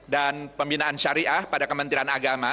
dan pembinaan syariah pada kementerian agama